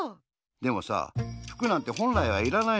でもさ服なんてほんらいはいらないのよ。